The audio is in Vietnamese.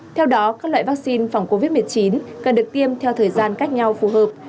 theo đó các loại vaccine phòng covid một mươi chín cần được tiêm theo thời gian cách nhau phù hợp